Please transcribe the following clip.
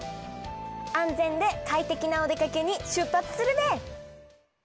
安全で快適なお出かけに出発するべ。